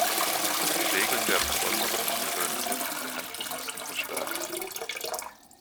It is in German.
Die Regeln der besonderen und differenzierten Behandlung müssen verstärkt werden.